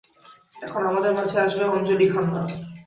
এখন আমাদের মাঝে আসবে অঞ্জলি খান্না।